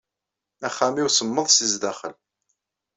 Axxam-inu semmeḍ seg sdaxel.